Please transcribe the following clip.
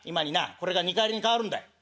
これが二荷入りに変わるんだ」。